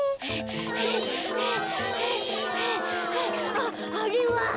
あっあれは！